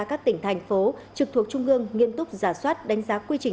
các tỉnh thành phố trực thuộc trung ương nghiêm túc giả soát đánh giá quy trình